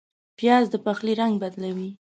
پیاز د پخلي رنګ بدلوي